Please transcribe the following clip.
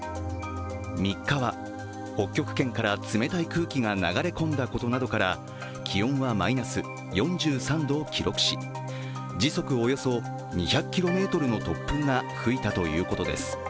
３日は、北極圏から冷たい空気が流れ込んだことなどから気温はマイナス４３度を記録し、時速およそ２００キロメートルの突風が吹いたということ手す。